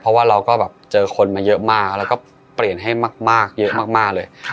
เพราะว่าเราก็แบบเจอคนมาเยอะมากแล้วก็เปลี่ยนให้มากเยอะมากเลย